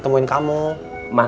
jangan kasih dia